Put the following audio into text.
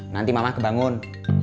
nanti mama kebangun